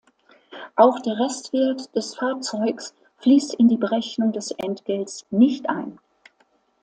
Auch der Restwert des Fahrzeugs fließt in die Berechnung des Entgelts nicht ein.